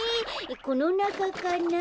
このなかかな？